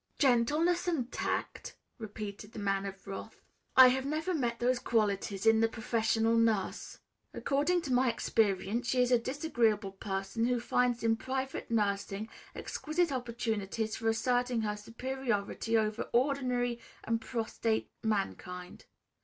"Gentleness and tact?" repeated the Man of Wrath. "I have never met those qualities in the professional nurse. According to my experience, she is a disagreeable person who finds in private nursing exquisite opportunities for asserting her superiority over ordinary and prostrate mankind.